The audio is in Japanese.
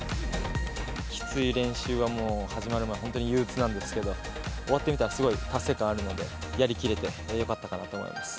きつい練習はもう、始まるのは本当に憂うつなんですけれども、終わってみたらすごい達成感あるので、やりきれてよかったかなと思います。